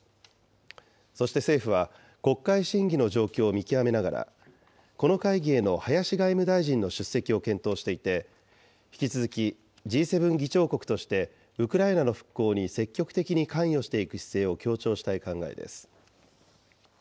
そして政府は、国会審議の状況を見極めながら、この会議への林外務大臣の出席を検討していて、引き続きＧ７議長国として、ウクライナの復興に積極的に関与していく姿勢を強調したい考えです。